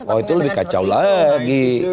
oh itu lebih kacau lagi